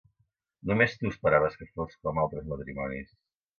Només tu esperaves que fos com altres matrimonis.